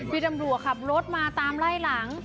วิทยุธรรรห์ขับรถมาตามไล่หลัง